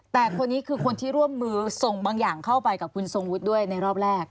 แต่คนนี้คือคนที่ร่วมมือส่งบางอย่างเข้าไปกับคุณทรงวุฒิด้วยในรอบแรก